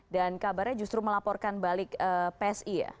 dan kabarnya justru melaporkan balik psi ya